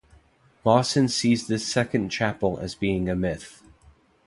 Lawson sees this second chapel as being a myth.